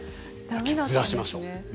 ずらしましょう。